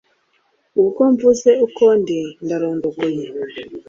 ubwo mvuze uko ndi ndarondogoye